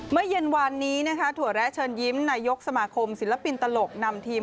เพียนเกดวิทย์ลูกชายของคุณดอนจมูกบาน